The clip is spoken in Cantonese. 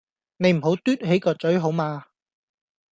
你唔好嘟起個嘴好嗎?